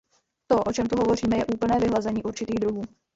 To, o čem tu hovoříme, je úplné vyhlazení určitých druhů.